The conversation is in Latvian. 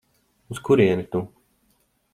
Uz kurieni tu?